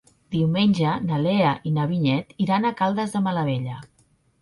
Diumenge na Lea i na Vinyet iran a Caldes de Malavella.